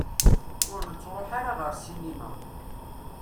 Ur nettruḥ ara ɣer ssinima.